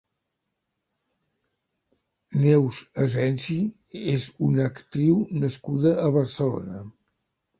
Neus Asensi és una actriu nascuda a Barcelona.